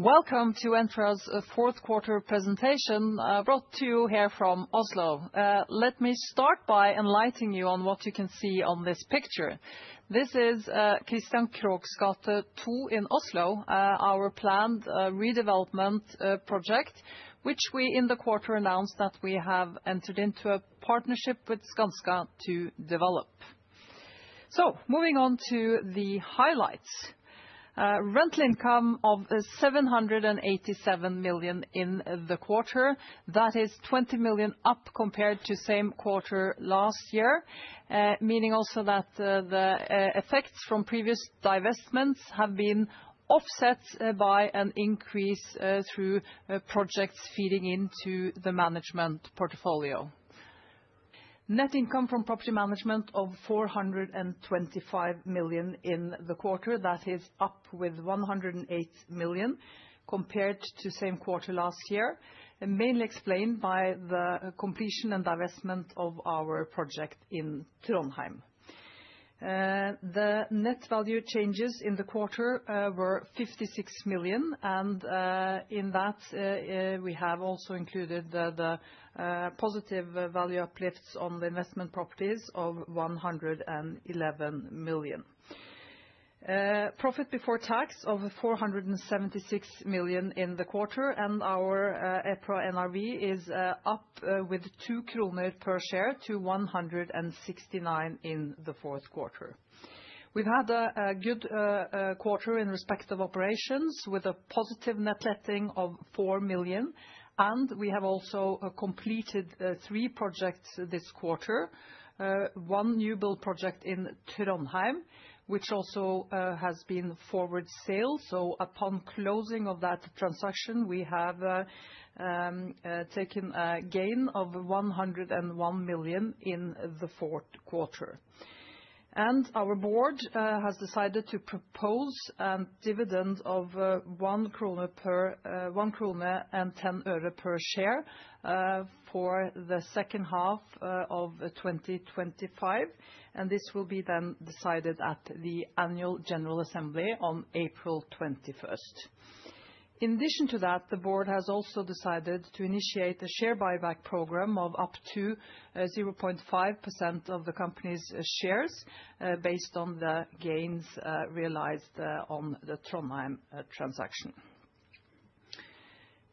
Welcome to Entra's fourth quarter presentation, brought to you here from Oslo. Let me start by enlightening you on what you can see on this picture. This is Christian Krohgs gate 2 in Oslo, our planned redevelopment project, which we in the quarter announced that we have entered into a partnership with Skanska to develop. Moving on to the highlights. Rental income of 787 million in the quarter. That is 20 million up compared to same quarter last year, meaning also that the effects from previous divestments have been offset by an increase through projects feeding into the management portfolio. Net income from property management of 425 million in the quarter. That is up with 108 million compared to same quarter last year, mainly explained by the completion and divestment of our project in Trondheim. The net value changes in the quarter were 56 million, and in that we have also included the positive value uplifts on the investment properties of 111 million. Profit before tax of 476 million in the quarter, and our EPRA NRV is up with 2 kroner per share to 169 in the fourth quarter. We've had a good quarter in respect of operations with a positive net letting of 4 million, and we have also completed three projects this quarter, one new build project in Trondheim, which also has been forward sale. So upon closing of that transaction, we have taken a gain of 101 million in the fourth quarter. And our board has decided to propose a dividend of 1 krone and 10 øre per share for the second half of 2025, and this will be then decided at the annual general assembly on April 21st. In addition to that, the board has also decided to initiate a share buyback program of up to 0.5% of the company's shares based on the gains realized on the Trondheim transaction.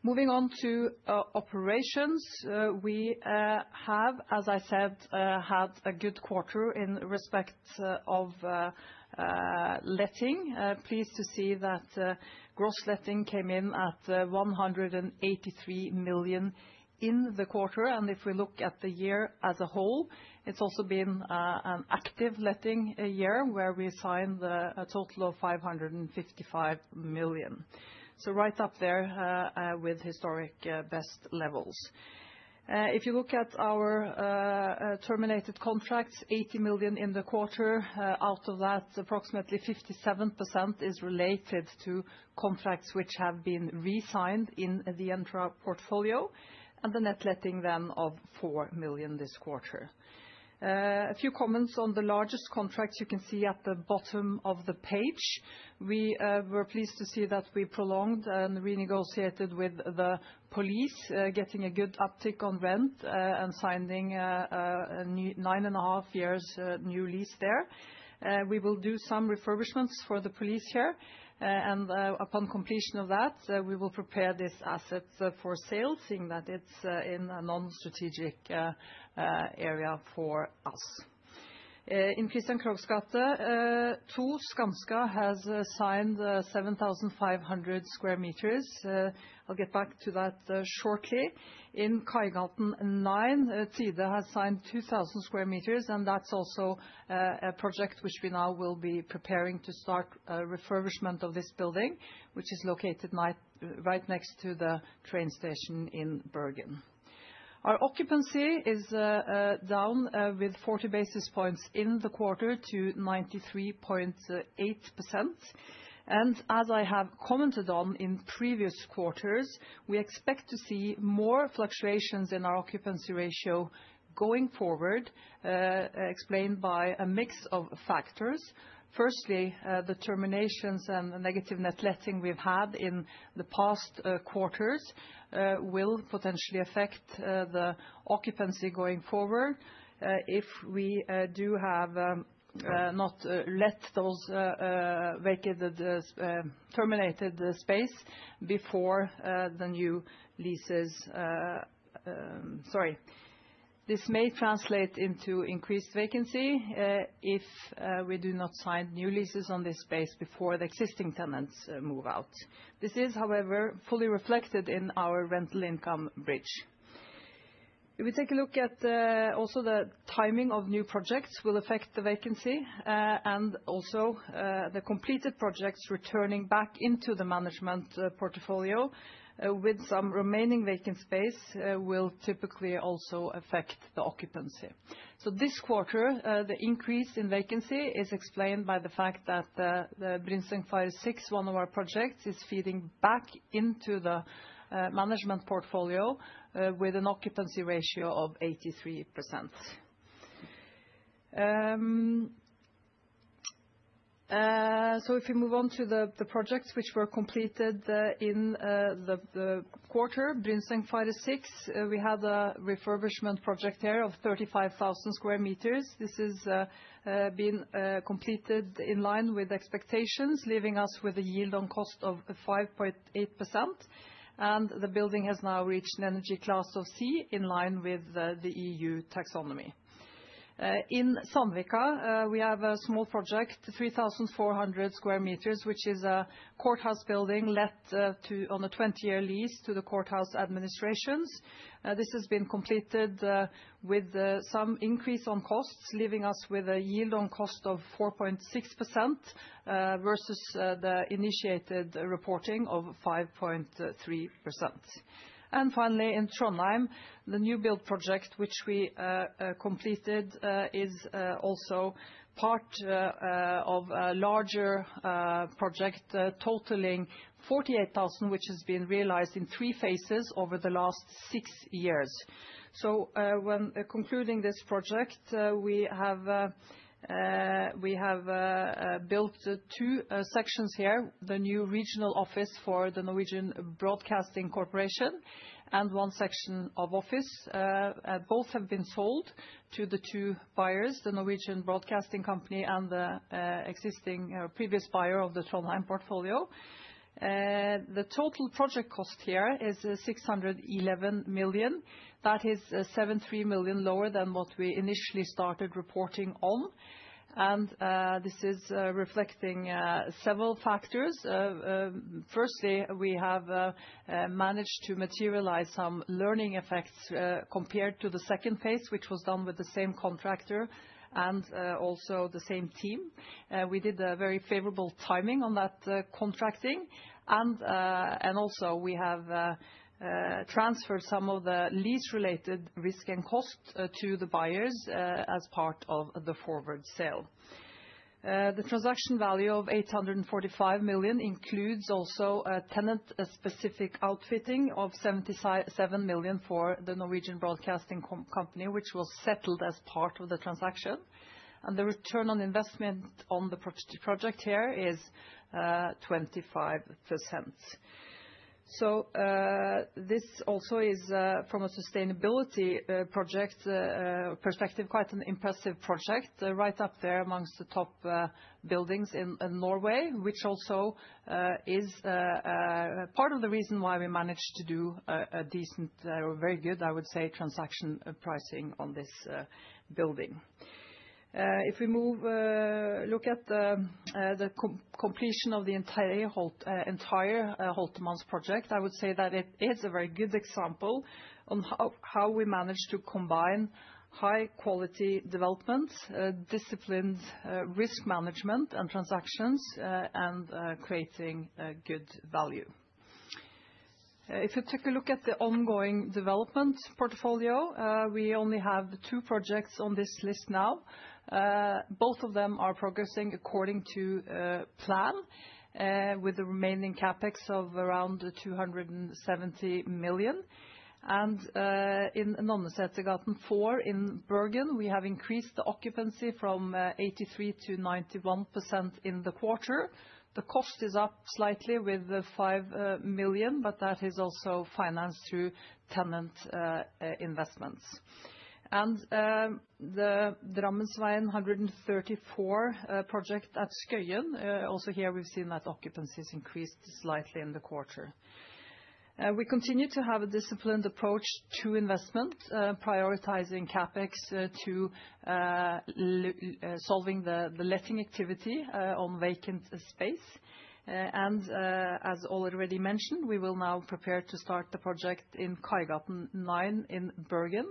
Moving on to operations, we have, as I said, had a good quarter in respect of letting. Pleased to see that gross letting came in at 183 million in the quarter, and if we look at the year as a whole, it's also been an active letting year where we signed the total of 555 million. So right up there with historic best levels. If you look at our terminated contracts, 80 million in the quarter. Out of that, approximately 57% is related to contracts which have been re-signed in the Entra portfolio, and the net letting then of 4 million this quarter. A few comments on the largest contracts you can see at the bottom of the page. We were pleased to see that we prolonged and renegotiated with the police, getting a good uptick on rent and signing a 9.5-year new lease there. We will do some refurbishments for the police here, and upon completion of that, we will prepare this asset for sale, seeing that it's in a non-strategic area for us. In Christian Krohgs gate 2, Skanska has signed 7,500 square meters. I'll get back to that shortly. In Kaigaten 9, Tide has signed 2,000 square meters, and that's also a project which we now will be preparing to start refurbishment of this building, which is located right next to the train station in Bergen. Our occupancy is down with 40 basis points in the quarter to 93.8%. As I have commented on in previous quarters, we expect to see more fluctuations in our occupancy ratio going forward, explained by a mix of factors. Firstly, the terminations and negative net letting we've had in the past quarters will potentially affect the occupancy going forward if we do have not let those vacated terminated space before the new leases sorry. This may translate into increased vacancy if we do not sign new leases on this space before the existing tenants move out. This is, however, fully reflected in our rental income bridge. If we take a look at also the timing of new projects will affect the vacancy, and also the completed projects returning back into the management portfolio with some remaining vacant space will typically also affect the occupancy. So this quarter, the increase in vacancy is explained by the fact that the Brynsengfaret 6, one of our projects, is feeding back into the management portfolio with an occupancy ratio of 83%. So if we move on to the projects which were completed in the quarter, Brynsengfaret 6, we had a refurbishment project here of 35,000 square meters. This has been completed in line with expectations, leaving us with a yield on cost of 5.8%, and the building has now reached an energy class of C in line with the EU Taxonomy. In Sandvika, we have a small project, 3,400 square meters, which is a courthouse building let on a 20-year lease to the courthouse administrations. This has been completed with some increase on costs, leaving us with a yield on cost of 4.6% versus the initiated reporting of 5.3%. Finally, in Trondheim, the new build project which we completed is also part of a larger project totaling 48,000, which has been realized in three phases over the last six years. So when concluding this project, we have built two sections here, the new regional office for the Norwegian Broadcasting Corporation and one section of office. Both have been sold to the two buyers, the Norwegian Broadcasting Corporation and the existing or previous buyer of the Trondheim portfolio. The total project cost here is 611 million. That is 73 million lower than what we initially started reporting on, and this is reflecting several factors. Firstly, we have managed to materialize some learning effects compared to the second phase, which was done with the same contractor and also the same team. We did very favorable timing on that contracting, and also we have transferred some of the lease-related risk and cost to the buyers as part of the forward sale. The transaction value of 845 million includes also a tenant-specific outfitting of 77 million for the Norwegian Broadcasting Corporation, which was settled as part of the transaction, and the return on investment on the project here is 25%. So this also is, from a sustainability perspective, quite an impressive project, right up there amongst the top buildings in Norway, which also is part of the reason why we managed to do a decent or very good, I would say, transaction pricing on this building. If we look at the completion of the entire Holtermanns veg project, I would say that it is a very good example on how we managed to combine high-quality development, disciplined risk management and transactions, and creating good value. If you take a look at the ongoing development portfolio, we only have two projects on this list now. Both of them are progressing according to plan, with the remaining CapEx of around 270 million. In Nonnesetergaten 4 in Bergen, we have increased the occupancy from 83%-91% in the quarter. The cost is up slightly with 5 million, but that is also financed through tenant investments. The Drammensveien 134 project at Skøyen, also here we've seen that occupancy has increased slightly in the quarter. We continue to have a disciplined approach to investment, prioritizing CapEx to solving the letting activity on vacant space. As already mentioned, we will now prepare to start the project in Kaigaten 9 in Bergen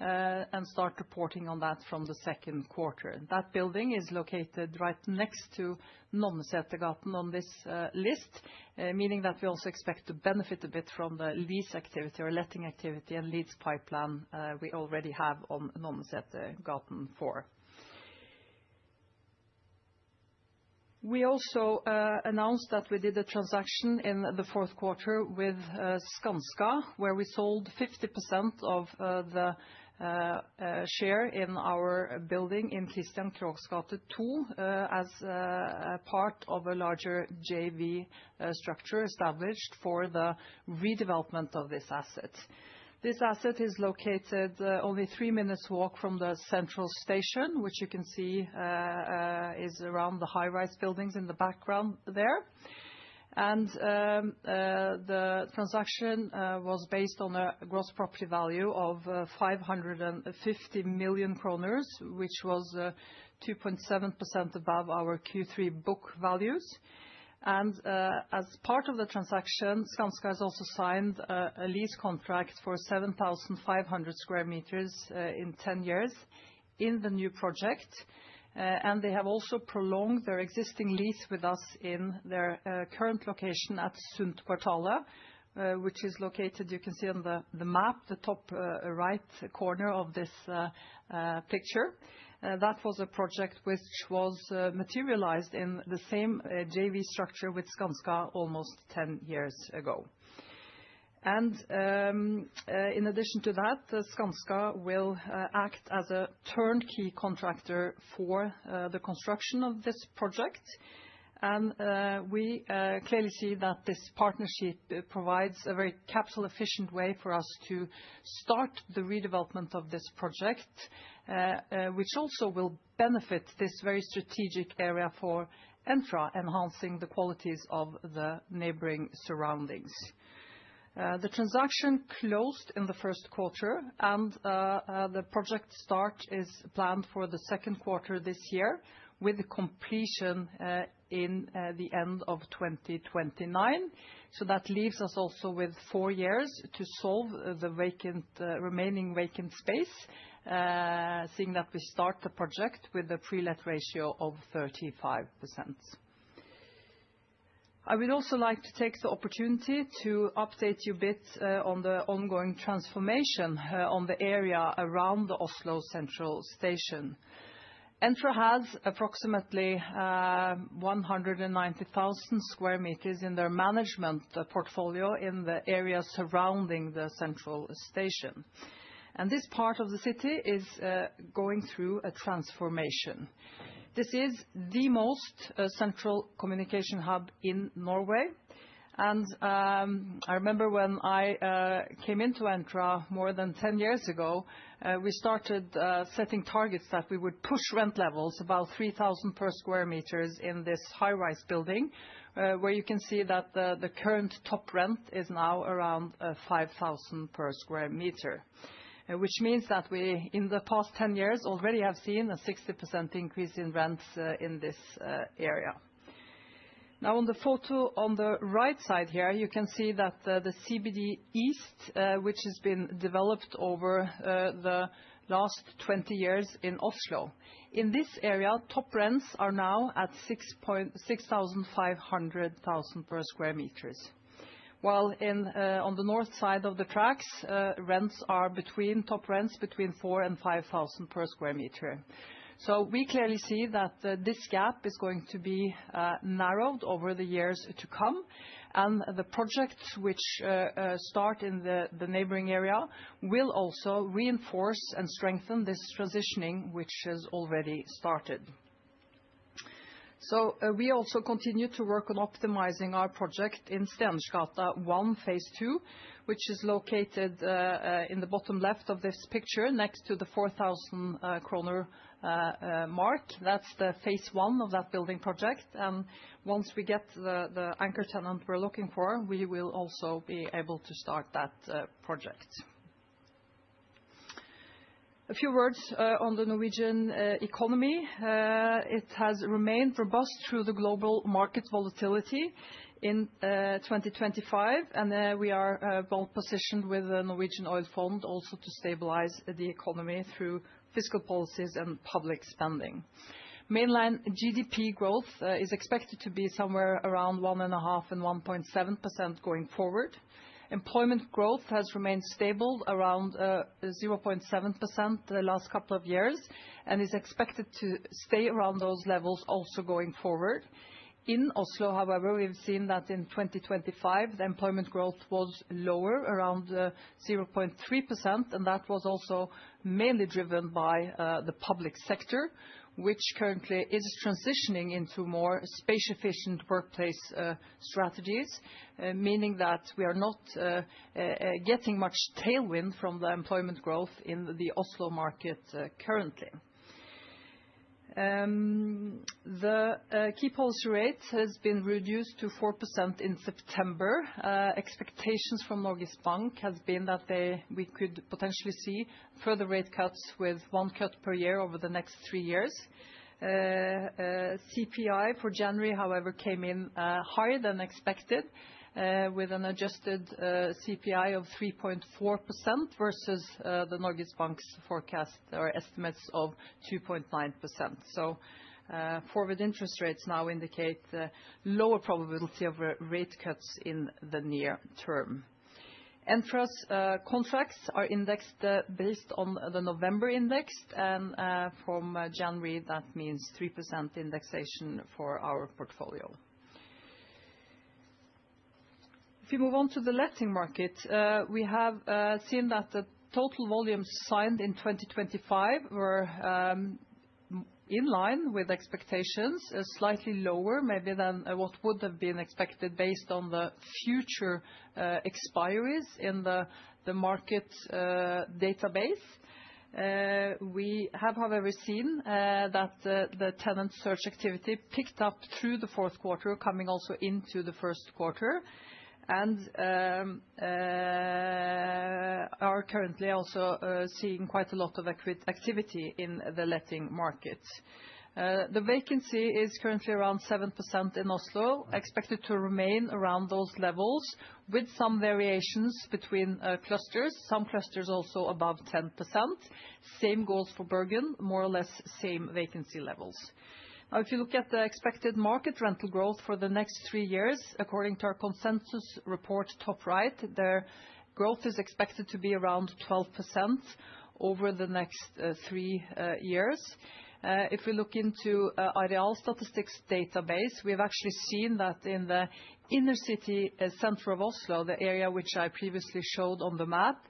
and start reporting on that from the second quarter. That building is located right next to Nonnesetergaten on this list, meaning that we also expect to benefit a bit from the lease activity or letting activity and leads pipeline we already have on Nonnesetergaten 4. We also announced that we did a transaction in the fourth quarter with Skanska, where we sold 50% of the share in our building in Christian Krohgs gate 2 as part of a larger JV structure established for the redevelopment of this asset. This asset is located only three minutes' walk from the central station, which you can see is around the high-rise buildings in the background there. The transaction was based on a gross property value of 550 million kroner, which was 2.7% above our Q3 book values. As part of the transaction, Skanska has also signed a lease contract for 7,500 square meters in 10 years in the new project, and they have also prolonged their existing lease with us in their current location at Sundtkvartalet, which is located, you can see on the map, the top right corner of this picture. That was a project which was materialized in the same JV structure with Skanska almost 10 years ago. In addition to that, Skanska will act as a turnkey contractor for the construction of this project, and we clearly see that this partnership provides a very capital-efficient way for us to start the redevelopment of this project, which also will benefit this very strategic area for Entra, enhancing the qualities of the neighboring surroundings. The transaction closed in the first quarter, and the project start is planned for the second quarter this year, with completion in the end of 2029. So that leaves us also with four years to solve the remaining vacant space, seeing that we start the project with a pre-let ratio of 35%. I would also like to take the opportunity to update you a bit on the ongoing transformation on the area around the Oslo Central Station. Entra has approximately 190,000 square meters in their management portfolio in the area surrounding the central station, and this part of the city is going through a transformation. This is the most central communication hub in Norway, and I remember when I came into Entra more than 10 years ago, we started setting targets that we would push rent levels about 3,000 per square meter in this high-rise building, where you can see that the current top rent is now around 5,000 per square meter, which means that we, in the past 10 years, already have seen a 60% increase in rents in this area. Now, on the photo on the right side here, you can see that the CBD East, which has been developed over the last 20 years in Oslo, in this area, top rents are now at 6,500 per square meters, while on the north side of the tracks, rents are between top rents between 4,000 and 5,000 per square meter. So we clearly see that this gap is going to be narrowed over the years to come, and the projects which start in the neighboring area will also reinforce and strengthen this transitioning, which has already started. So we also continue to work on optimizing our project in Stenersgata 1, phase II, which is located in the bottom left of this picture next to the 4,000 kroner mark. That's the phase I of that building project, and once we get the anchor tenant we're looking for, we will also be able to start that project. A few words on the Norwegian economy. It has remained robust through the global market volatility in 2025, and we are well positioned with the Norwegian Oil Fund also to stabilize the economy through fiscal policies and public spending. Mainland GDP growth is expected to be somewhere around 1.5% and 1.7% going forward. Employment growth has remained stable around 0.7% the last couple of years and is expected to stay around those levels also going forward. In Oslo, however, we've seen that in 2025, the employment growth was lower, around 0.3%, and that was also mainly driven by the public sector, which currently is transitioning into more space-efficient workplace strategies, meaning that we are not getting much tailwind from the employment growth in the Oslo market currently. The key policy rate has been reduced to 4% in September. Expectations from Norges Bank have been that we could potentially see further rate cuts with one cut per year over the next three years. CPI for January, however, came in higher than expected, with an adjusted CPI of 3.4% versus the Norges Bank's forecast or estimates of 2.9%. So forward interest rates now indicate lower probability of rate cuts in the near term. Entra's contracts are indexed based on the November index, and from January, that means 3% indexation for our portfolio. If we move on to the letting market, we have seen that the total volumes signed in 2025 were in line with expectations, slightly lower maybe than what would have been expected based on the future expiries in the market database. We have, however, seen that the tenant search activity picked up through the fourth quarter, coming also into the first quarter, and are currently also seeing quite a lot of inquiry activity in the letting market. The vacancy is currently around 7% in Oslo, expected to remain around those levels, with some variations between clusters, some clusters also above 10%. Same goes for Bergen, more or less same vacancy levels. Now, if you look at the expected market rental growth for the next three years, according to our consensus report, top right, their growth is expected to be around 12% over the next three years. If we look into Areal Statistics database, we have actually seen that in the inner city center of Oslo, the area which I previously showed on the map,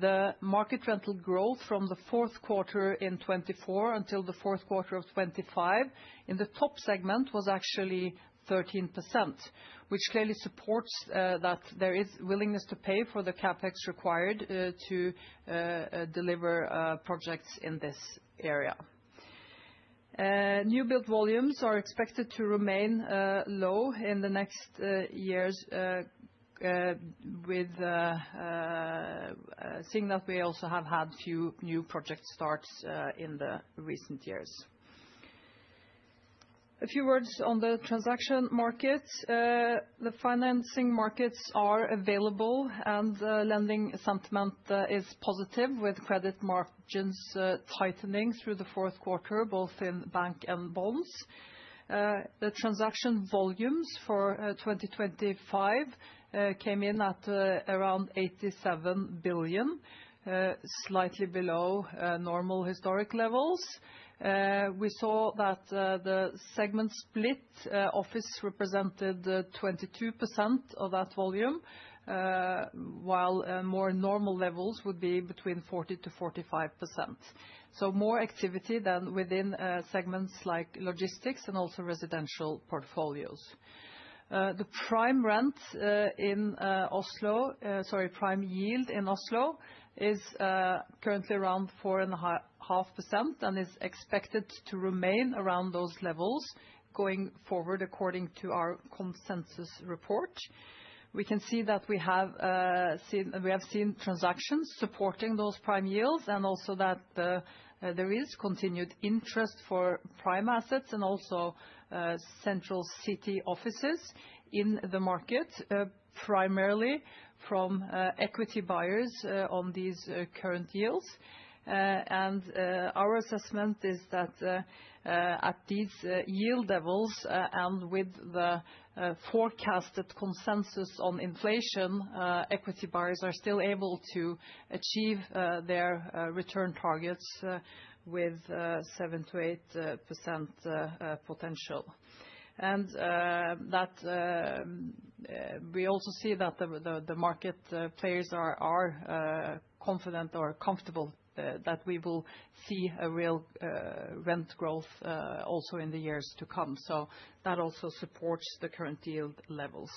the market rental growth from the fourth quarter of 2024 until the fourth quarter of 2025 in the top segment was actually 13%, which clearly supports that there is willingness to pay for the CapEx required to deliver projects in this area. New build volumes are expected to remain low in the next years, seeing that we also have had few new project starts in the recent years. A few words on the transaction market. The financing markets are available, and lending sentiment is positive, with credit margins tightening through the fourth quarter, both in bank and bonds. The transaction volumes for 2025 came in at around 87 billion, slightly below normal historic levels. We saw that the segment split office represented 22% of that volume, while more normal levels would be between 40%-45%. So more activity than within segments like logistics and also residential portfolios. The prime rent in Oslo sorry, prime yield in Oslo is currently around 4.5% and is expected to remain around those levels going forward, according to our consensus report. We can see that we have seen transactions supporting those prime yields and also that there is continued interest for prime assets and also central city offices in the market, primarily from equity buyers on these current yields. And our assessment is that at these yield levels and with the forecasted consensus on inflation, equity buyers are still able to achieve their return targets with 7%-8% potential. We also see that the market players are confident or comfortable that we will see a real rent growth also in the years to come. That also supports the current yield levels.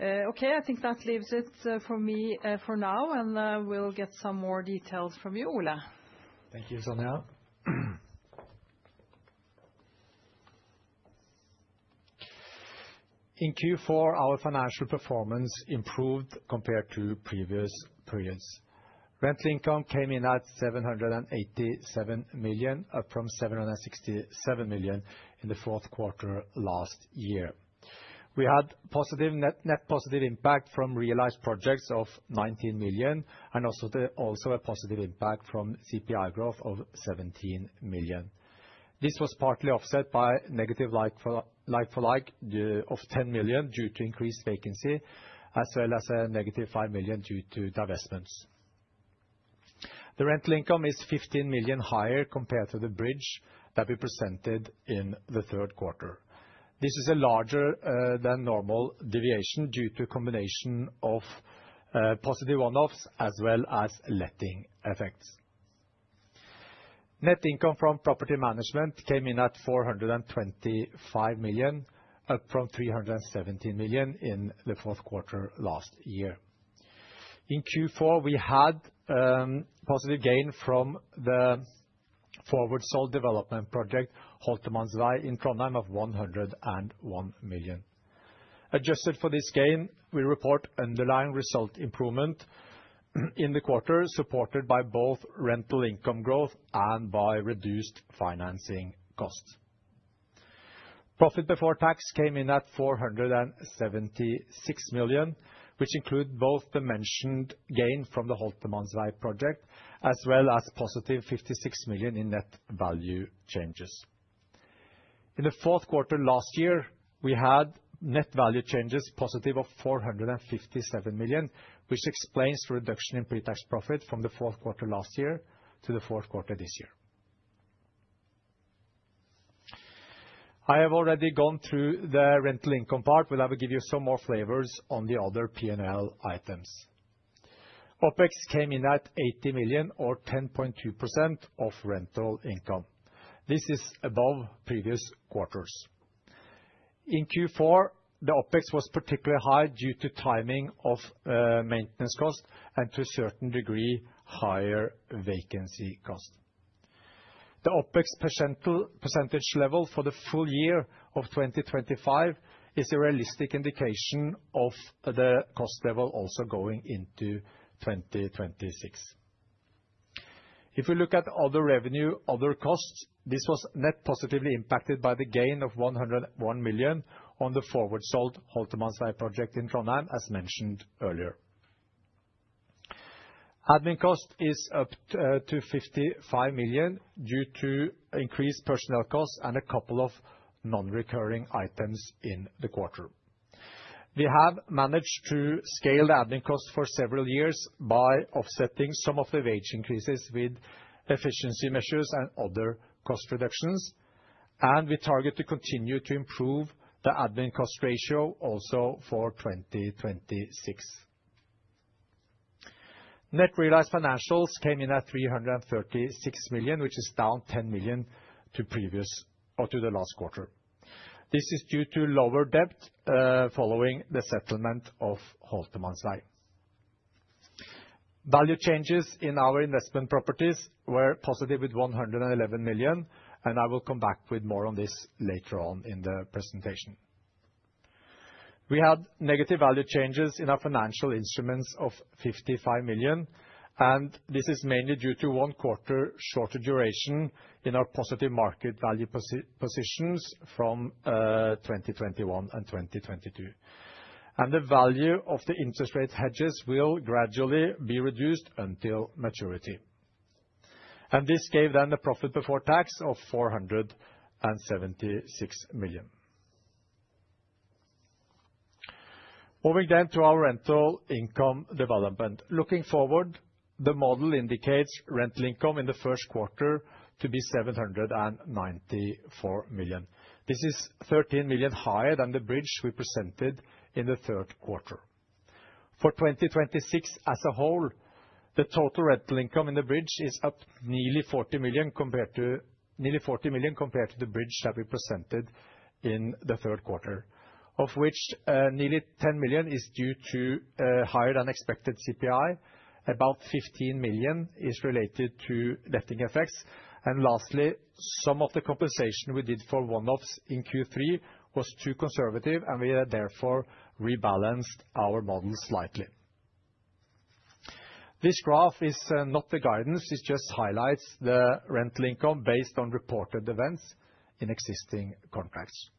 Okay, I think that leaves it for me for now, and we'll get some more details from you, Ole. Thank you, Sonja. In Q4, our financial performance improved compared to previous periods. Rental income came in at 787 million, up from 767 million in the fourth quarter last year. We had net positive impact from realized projects of 19 million and also a positive impact from CPI growth of 17 million. This was partly offset by negative like-for-like of 10 million due to increased vacancy, as well as a negative five million due to divestments. The rental income is 15 million higher compared to the bridge that we presented in the third quarter. This is a larger-than-normal deviation due to a combination of positive one-offs as well as letting effects. Net income from property management came in at 425 million, up from 317 million in the fourth quarter last year. In Q4, we had positive gain from the forward-sold development project Holtermanns veg in Trondheim of 101 million. Adjusted for this gain, we report underlying result improvement in the quarter, supported by both rental income growth and by reduced financing costs. Profit before tax came in at 476 million, which includes both the mentioned gain from the Holtermanns veg project as well as positive 56 million in net value changes. In the fourth quarter last year, we had net value changes positive of 457 million, which explains the reduction in pretax profit from the fourth quarter last year to the fourth quarter this year. I have already gone through the rental income part, but I will give you some more flavors on the other P&L items. OPEX came in at 80 million, or 10.2% of rental income. This is above previous quarters. In Q4, the OPEX was particularly high due to timing of maintenance costs and, to a certain degree, higher vacancy costs. The OPEX percentage level for the full year of 2025 is a realistic indication of the cost level also going into 2026. If we look at other revenue, other costs, this was net positively impacted by the gain of 101 million on the forward-sold Holtermanns veg project in Trondheim, as mentioned earlier. Admin cost is up to 55 million due to increased personnel costs and a couple of non-recurring items in the quarter. We have managed to scale the admin costs for several years by offsetting some of the wage increases with efficiency measures and other cost reductions, and we target to continue to improve the admin cost ratio also for 2026. Net realized financials came in at 336 million, which is down 10 million to the last quarter. This is due to lower debt following the settlement of Holtermanns veg. Value changes in our investment properties were positive with 111 million, and I will come back with more on this later on in the presentation. We had negative value changes in our financial instruments of 55 million, and this is mainly due to one quarter shorter duration in our positive market value positions from 2021 and 2022, and the value of the interest rate hedges will gradually be reduced until maturity. And this gave then a profit before tax of 476 million. Moving then to our rental income development. Looking forward, the model indicates rental income in the first quarter to be 794 million. This is 13 million higher than the bridge we presented in the third quarter. For 2026 as a whole, the total rental income in the bridge is up nearly 40 million compared to the bridge that we presented in the third quarter, of which nearly 10 million is due to higher-than-expected CPI, about 15 million is related to letting effects, and lastly, some of the compensation we did for one-offs in Q3 was too conservative, and we therefore rebalanced our model slightly. This graph is not the guidance; it just highlights the rental income based on reported events in existing contracts.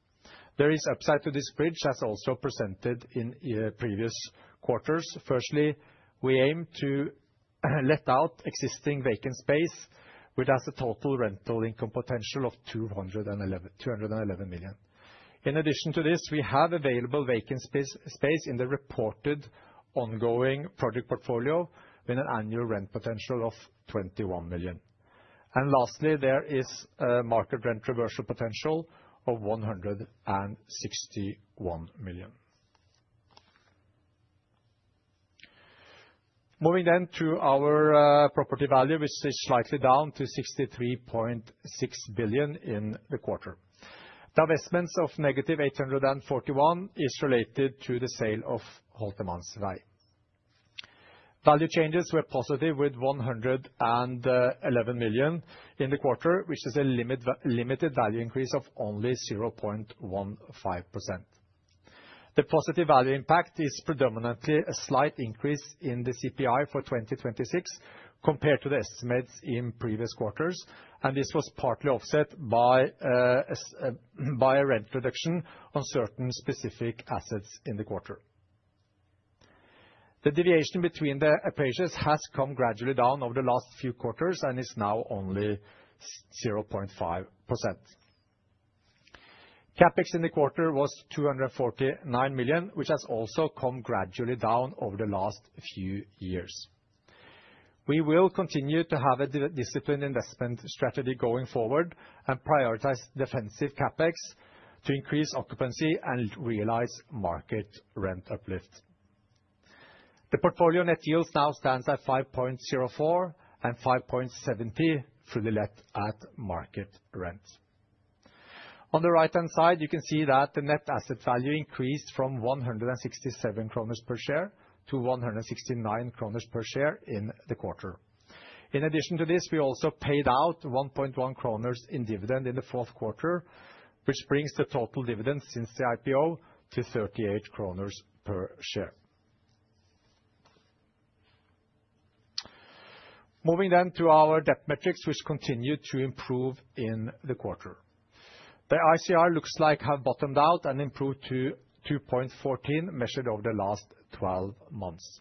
There is upside to this bridge, as also presented in previous quarters. Firstly, we aim to let out existing vacant space, which has a total rental income potential of 211 million. In addition to this, we have available vacant space in the reported ongoing project portfolio with an annual rent potential of 21 million. Lastly, there is market rent reversal potential of 161 million. Moving then to our property value, which is slightly down to 63.6 billion in the quarter. Divestments of -841 million is related to the sale of Holtermanns veg. Value changes were positive with 111 million in the quarter, which is a limited value increase of only 0.15%. The positive value impact is predominantly a slight increase in the CPI for 2026 compared to the estimates in previous quarters, and this was partly offset by a rent reduction on certain specific assets in the quarter. The deviation between the appraisals has come gradually down over the last few quarters and is now only 0.5%. CapEx in the quarter was 249 million, which has also come gradually down over the last few years. We will continue to have a disciplined investment strategy going forward and prioritize defensive CapEx to increase occupancy and realize market rent uplift. The portfolio net yields now stand at 5.04 and 5.70 fully let at market rent. On the right-hand side, you can see that the net asset value increased from 167 kroner per share to 169 kroner per share in the quarter. In addition to this, we also paid out 1.1 kroner in dividend in the fourth quarter, which brings the total dividend since the IPO to 38 kroner per share. Moving then to our debt metrics, which continue to improve in the quarter. The ICR looks like it has bottomed out and improved to 2.14, measured over the last 12 months.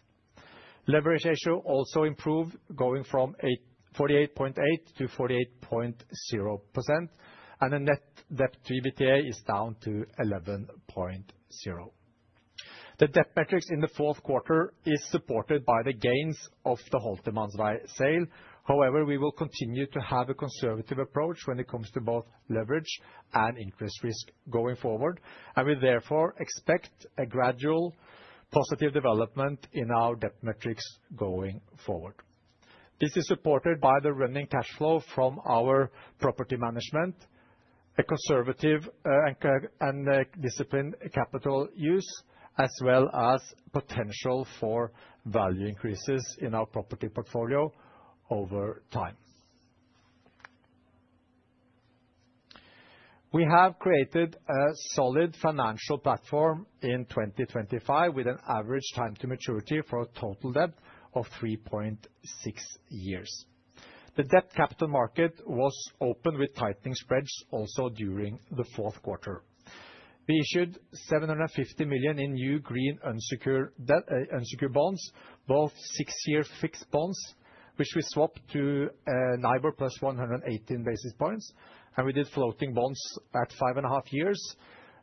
Leverage ratio also improved, going from 48.8% to 48.0%, and the net debt to EBITDA is down to 11.0. The debt metrics in the fourth quarter are supported by the gains of the Holtermanns veg sale. However, we will continue to have a conservative approach when it comes to both leverage and increased risk going forward, and we therefore expect a gradual positive development in our debt metrics going forward. This is supported by the running cash flow from our property management, a conservative and disciplined capital use, as well as potential for value increases in our property portfolio over time. We have created a solid financial platform in 2025 with an average time to maturity for a total debt of 3.6 years. The debt capital market was open with tightening spreads also during the fourth quarter. We issued 750 million in new green unsecured bonds, both 6-year fixed bonds, which we swapped to NIBOR plus 118 basis points, and we did floating bonds at 5.5 years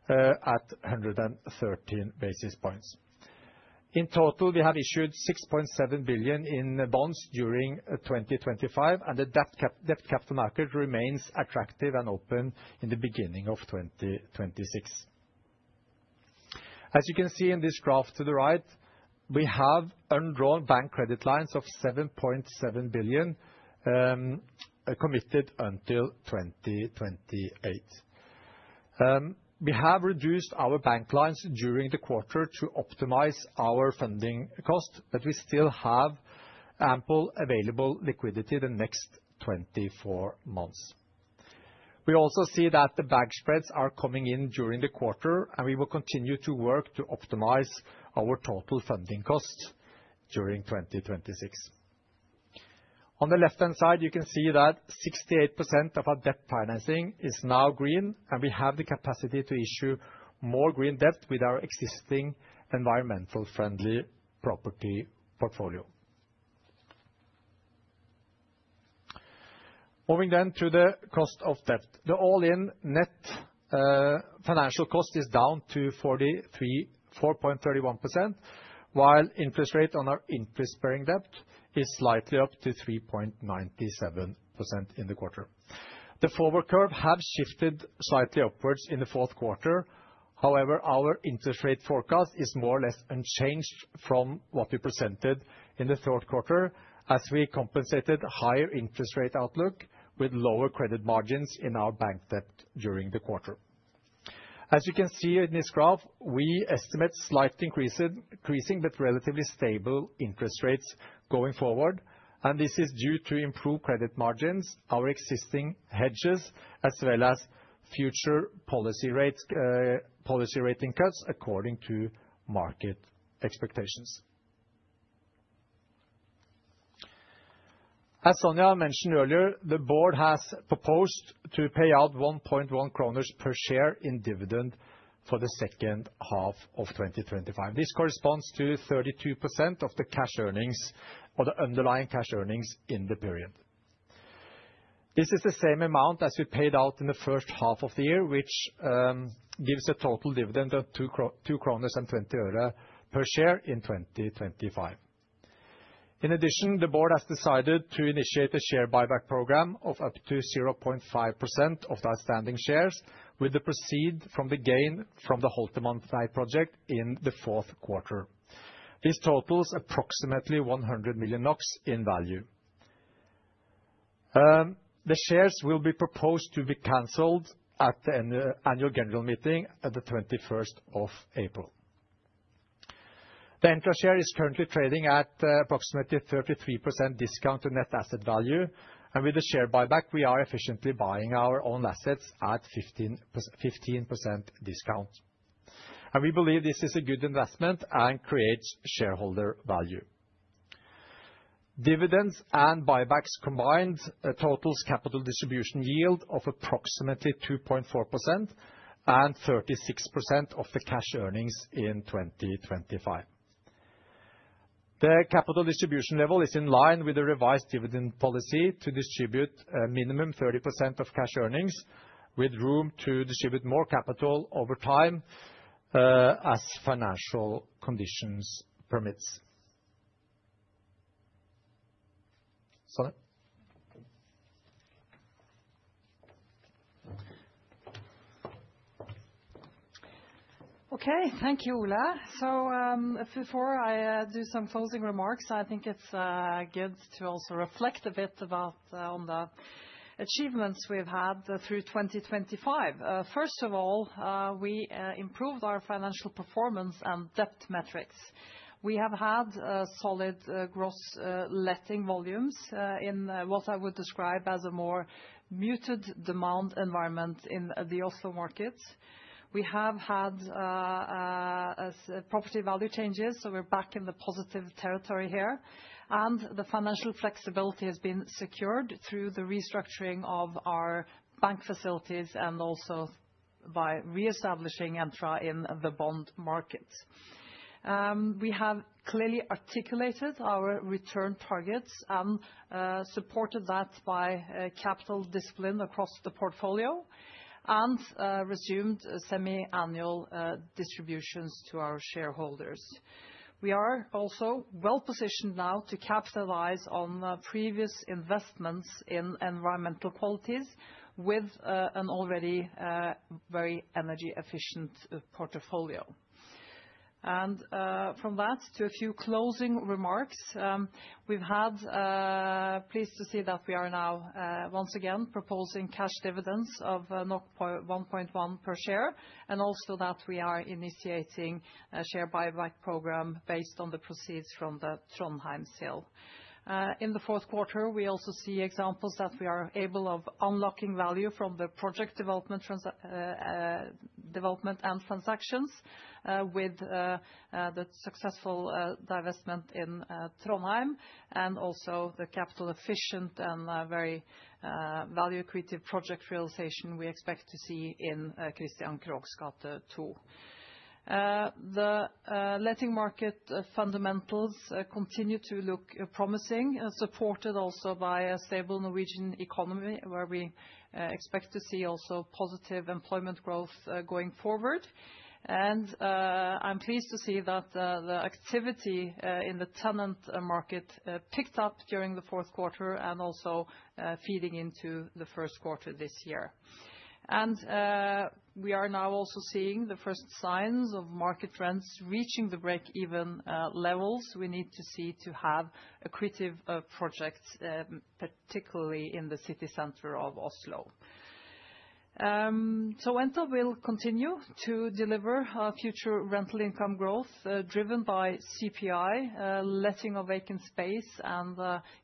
at 113 basis points. In total, we have issued 6.7 billion in bonds during 2025, and the debt capital market remains attractive and open in the beginning of 2026. As you can see in this graph to the right, we have undrawn bank credit lines of 7.7 billion committed until 2028. We have reduced our bank lines during the quarter to optimize our funding costs, but we still have ample available liquidity the next 24 months. We also see that the bank spreads are coming in during the quarter, and we will continue to work to optimize our total funding costs during 2026. On the left-hand side, you can see that 68% of our debt financing is now green, and we have the capacity to issue more green debt with our existing environmentally friendly property portfolio. Moving then to the cost of debt, the all-in net financial cost is down to 4.31%, while the interest rate on our interest-bearing debt is slightly up to 3.97% in the quarter. The forward curve has shifted slightly upwards in the fourth quarter. However, our interest rate forecast is more or less unchanged from what we presented in the third quarter, as we compensated a higher interest rate outlook with lower credit margins in our bank debt during the quarter. As you can see in this graph, we estimate slightly increasing but relatively stable interest rates going forward, and this is due to improved credit margins, our existing hedges, as well as future policy rating cuts according to market expectations. As Sonja mentioned earlier, the board has proposed to pay out 1.1 kroner per share in dividend for the second half of 2025. This corresponds to 32% of the cash earnings or the underlying cash earnings in the period. This is the same amount as we paid out in the first half of the year, which gives a total dividend of 2.20 per share in 2025. In addition, the board has decided to initiate a share buyback program of up to 0.5% of the outstanding shares, with the proceeds from the gain from the Holtermanns veg project in the fourth quarter. This totals approximately 100 million NOK in value. The shares will be proposed to be cancelled at the annual general meeting on the 21st of April. The entry share is currently trading at approximately a 33% discount to net asset value, and with the share buyback, we are efficiently buying our own assets at a 15% discount. We believe this is a good investment and creates shareholder value. Dividends and buybacks combined totals a capital distribution yield of approximately 2.4% and 36% of the cash earnings in 2025. The capital distribution level is in line with the revised dividend policy to distribute a minimum of 30% of cash earnings, with room to distribute more capital over time as financial conditions permit. Sonja? Okay, thank you, Ole. So before I do some closing remarks, I think it's good to also reflect a bit on the achievements we've had through 2025. First of all, we improved our financial performance and debt metrics. We have had solid gross letting volumes in what I would describe as a more muted demand environment in the Oslo markets. We have had property value changes, so we're back in the positive territory here, and the financial flexibility has been secured through the restructuring of our bank facilities and also by reestablishing Entra in the bond markets. We have clearly articulated our return targets and supported that by capital discipline across the portfolio and resumed semi-annual distributions to our shareholders. We are also well-positioned now to capitalize on previous investments in environmental qualities with an already very energy-efficient portfolio. And from that to a few closing remarks, we've been pleased to see that we are now once again proposing cash dividends of 1.1 per share, and also that we are initiating a share buyback program based on the proceeds from the Trondheim sale. In the fourth quarter, we also see examples that we are able to unlock value from the project development and transactions with the successful divestment in Trondheim, and also the capital-efficient and very value-creative project realization we expect to see in Christian Krohgs gate 2. The letting market fundamentals continue to look promising, supported also by a stable Norwegian economy, where we expect to see positive employment growth going forward. And I'm pleased to see that the activity in the tenant market picked up during the fourth quarter and also feeding into the first quarter this year. We are now also seeing the first signs of market trends reaching the break-even levels we need to see to have a creative project, particularly in the city center of Oslo. Entra will continue to deliver future rental income growth driven by CPI, letting of vacant space, and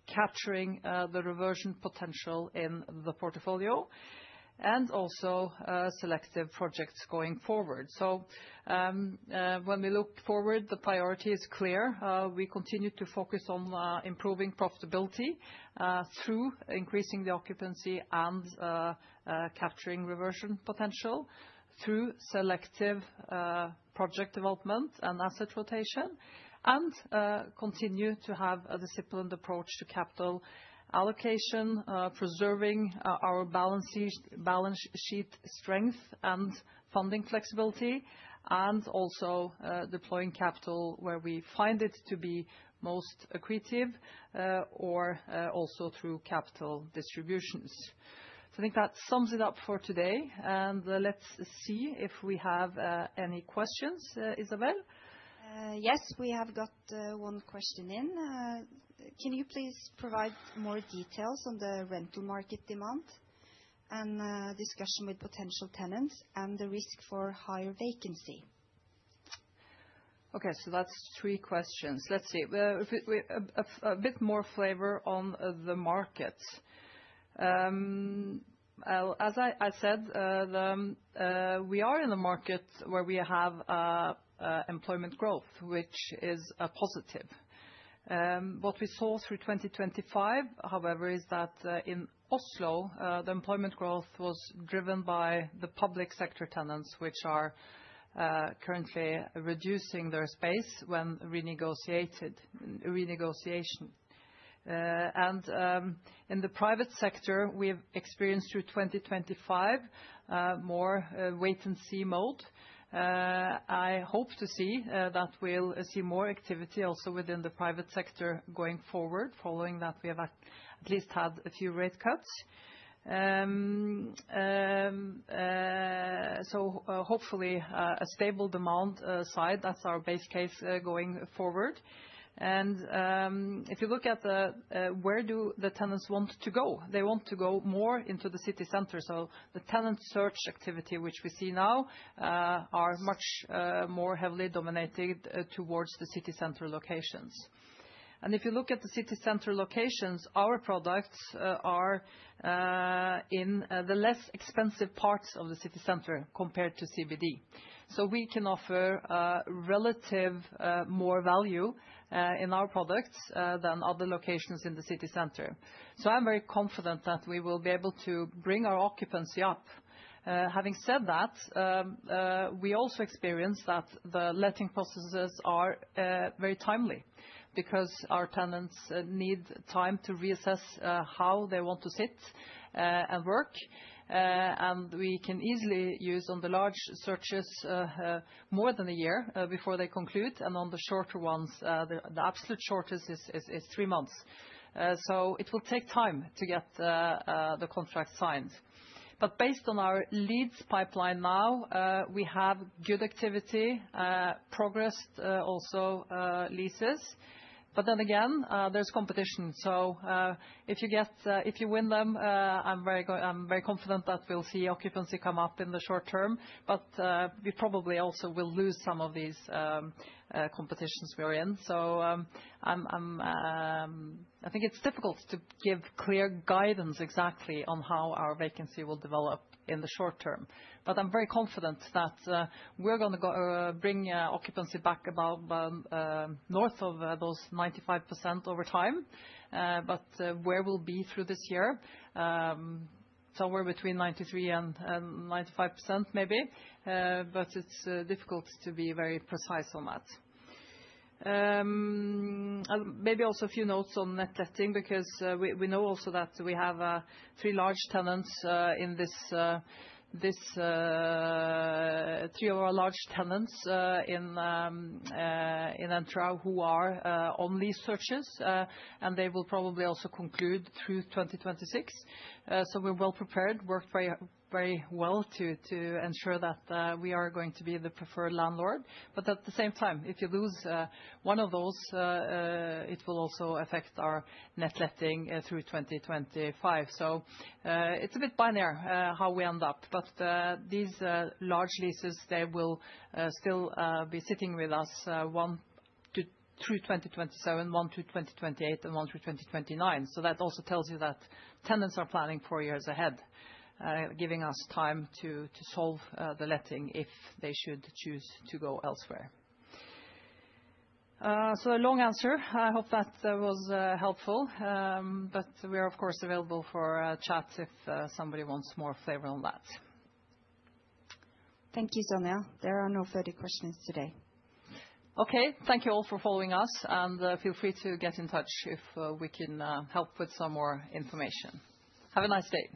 capturing the reversion potential in the portfolio, and also selective projects going forward. When we look forward, the priority is clear. We continue to focus on improving profitability through increasing the occupancy and capturing reversion potential through selective project development and asset rotation, and continue to have a disciplined approach to capital allocation, preserving our balance sheet strength and funding flexibility, and also deploying capital where we find it to be most creative, or also through capital distributions. I think that sums it up for today. Let's see if we have any questions, Isabelle. Yes, we have got one question in. Can you please provide more details on the rental market demand and discussion with potential tenants and the risk for higher vacancy? Okay, so that's three questions. Let's see. A bit more flavor on the market. As I said, we are in a market where we have employment growth, which is positive. What we saw through 2025, however, is that in Oslo, the employment growth was driven by the public sector tenants, which are currently reducing their space when renegotiation. And in the private sector, we've experienced through 2025 more wait-and-see mode. I hope to see that we'll see more activity also within the private sector going forward, following that we have at least had a few rate cuts. So hopefully, a stable demand side, that's our base case going forward. If you look at where do the tenants want to go, they want to go more into the city center. The tenant search activity, which we see now, is much more heavily dominated towards the city center locations. If you look at the city center locations, our products are in the less expensive parts of the city center compared to CBD. We can offer relative more value in our products than other locations in the city center. I'm very confident that we will be able to bring our occupancy up. Having said that, we also experience that the letting processes are very timely because our tenants need time to reassess how they want to sit and work. We can easily use on the large searches more than a year before they conclude, and on the shorter ones, the absolute shortest is three months. So it will take time to get the contract signed. But based on our leads pipeline now, we have good activity, progressed also leases. But then again, there's competition. So if you win them, I'm very confident that we'll see occupancy come up in the short term, but we probably also will lose some of these competitions we are in. So I think it's difficult to give clear guidance exactly on how our vacancy will develop in the short term. But I'm very confident that we're going to bring occupancy back north of those 95% over time. But where we'll be through this year? Somewhere between 93% and 95%, maybe. But it's difficult to be very precise on that. Maybe also a few notes on net letting because we know also that we have three large tenants in this, three of our large tenants in Entra who are on lease searches, and they will probably also conclude through 2026. So we're well prepared, worked very well to ensure that we are going to be the preferred landlord. But at the same time, if you lose one of those, it will also affect our net letting through 2025. So it's a bit binary how we end up. But these large leases, they will still be sitting with us through 2027, one through 2028, and one through 2029. So that also tells you that tenants are planning four years ahead, giving us time to solve the letting if they should choose to go elsewhere. So a long answer. I hope that was helpful. But we are, of course, available for chat if somebody wants more flavor on that. Thank you, Sonja. There are no further questions today. Okay, thank you all for following us. And feel free to get in touch if we can help with some more information. Have a nice day.